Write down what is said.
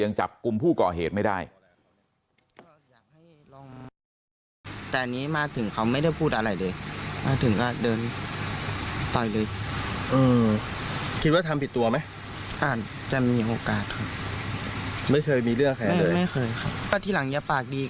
ยังจับกลุ่มผู้ก่อเหตุไม่ได้